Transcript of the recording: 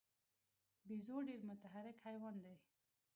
بیزو ډېر متحرک حیوان دی.